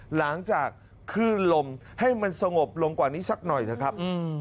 หลังจากคลื่นลมให้มันสงบลงกว่านี้สักหน่อยเถอะครับ